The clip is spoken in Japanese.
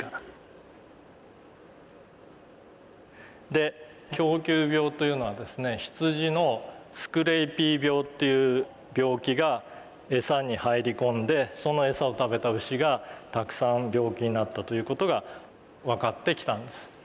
で狂牛病というのは羊の「スクレイピー病」っていう病気が餌に入り込んでその餌を食べた牛がたくさん病気になったという事が分かってきたんです。